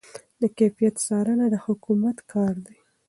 د کیفیت څارنه د حکومت کار دی.